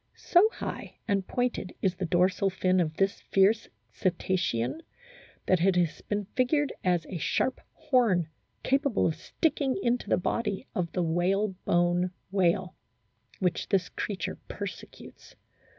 So high and pointed is the dorsal fin of this fierce Cetacean that it has been figured as a sharp horn capable of sticking into the body of the whale bone whale, which this creature persecutes.